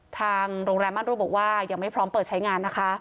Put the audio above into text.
ทางโรงแรมมั่นรูปบอกว่ายังไม่พร้อมเปิดใช้งานนะคะ